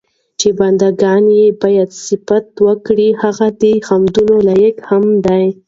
چې بندګان ئي بايد صفت وکړي، او هغه ددي حمدونو لائق هم دی